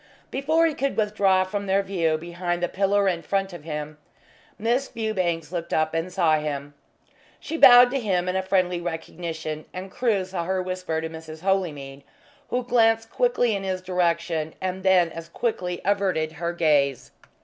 Before he could withdraw from their view behind the pillar in front of him, Miss Fewbanks looked up and saw him. She bowed to him in friendly recognition, and Crewe saw her whisper to Mrs. Holymead, who glanced quickly in his direction and then as quickly averted her gaze.